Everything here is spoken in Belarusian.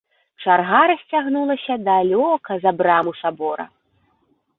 Чарга расцягнулася далёка за браму сабора.